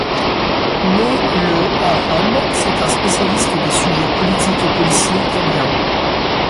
Né le à Rome, c'est un spécialiste des sujets politiques et policiers italiens.